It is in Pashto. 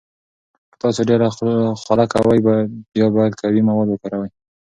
که تاسو ډیر خوله کوئ، بیا باید قوي مواد وکاروئ.